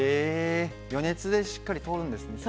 予熱でしっかり通るんですね。